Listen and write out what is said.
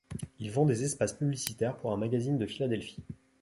Il vend des espaces publicitaires pour un magazine de Philadelphie.